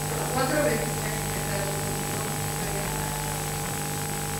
Cuatro veces se han enfrentado con dos victorias para cada uno.